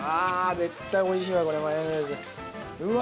絶対おいしいわこれマヨネーズうわ